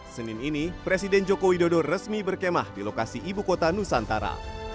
senin ini presiden joko widodo resmi berkemah di lokasi ibu kota nusantara